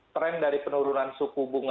tren dari penurunan suku bunga